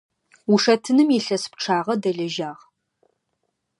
Ушэтыным илъэс пчъагъэ дэлэжьагъ.